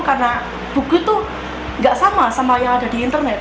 karena buku itu nggak sama yang ada di internet